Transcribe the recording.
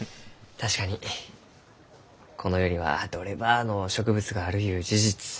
確かにこの世にはどればあの植物があるゆう事実。